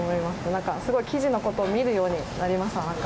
何かすごい生地のことを見るようになりました。